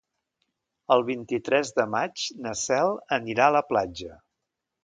El vint-i-tres de maig na Cel anirà a la platja.